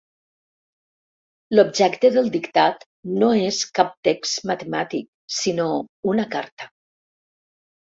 L'objecte del dictat no és cap text matemàtic, sinó una carta.